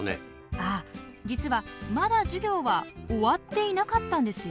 ああ実はまだ授業は終わっていなかったんですよ。